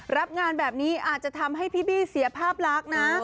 รับงานแบบนี้อาจจะทำให้พี่บี้เสียภาพลักษณ์นะ